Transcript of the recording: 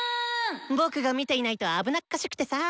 僕が見ていないと危なっかしくてさ。